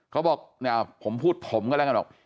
เขาบอกผมพูดผมก็แล้วกันบอก